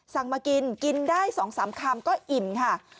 มากินกินได้๒๓คำก็อิ่มค่ะ